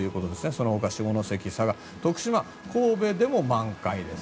そのほか下関、佐賀、徳島、神戸でも満開です。